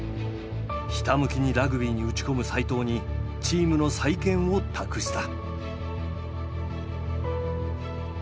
ひたむきにラグビーに打ち込む齋藤にチームの再建を託した。